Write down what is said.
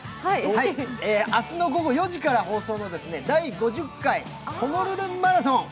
明日の午後４時から放送の第５０回ホノルルマラソン。